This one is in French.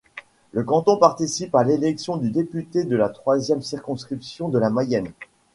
Le canton participe à l'élection du député de la troisième circonscription de la Mayenne.